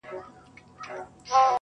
رسنۍ د خلکو فکر اغېزمنوي